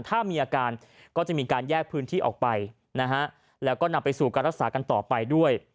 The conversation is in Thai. ถ้ามีอาการก็จะมีการแยกพื้นที่ออกไปนะฮะแล้วก็นำไปสู่การรักษากันต่อไปด้วย